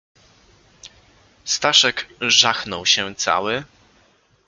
"Staszek żachnął się cały."